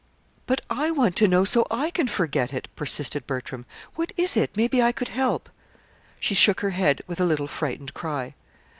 "But I want to know so I can forget it," persisted Bertram. "What is it? Maybe I could help." She shook her head with a little frightened cry.